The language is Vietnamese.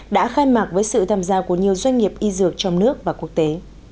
đã khai mạc với sự tham gia của nhiều doanh nghiệp y dược trong nước và quốc tế